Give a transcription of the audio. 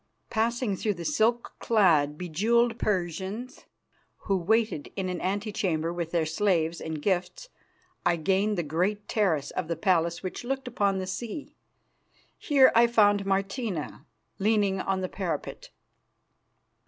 Passing through the silk clad, bejewelled Persians who waited in an antechamber with their slaves and gifts, I gained the great terrace of the palace which looked upon the sea. Here I found Martina leaning on the parapet.